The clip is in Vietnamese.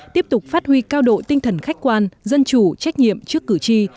tiếp tục phát huy cao độ tinh thần khách quan dân chủ trách nhiệm trước cử tri